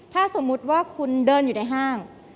ถ้าสมมุติว่าคุณเดินอยู่ในห้าง